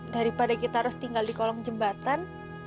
daripada kita harus tinggal di kolong jembatan